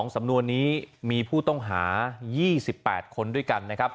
๒สำนวนนี้มีผู้ต้องหา๒๘คนด้วยกัน